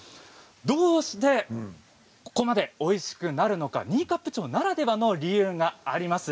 どうしてここまでおいしくなるのか新冠町ならではの理由があります。